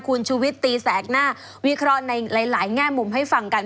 คุณชุวิตตีแสกหน้าวิเคราะห์ในหลายแง่มุมให้ฟังกัน